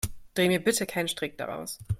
Dreh mir bitte keinen Strick daraus.